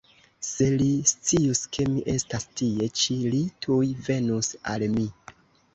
Se li scius, ke mi estas tie ĉi, li tuj venus al mi.